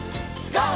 ＧＯ！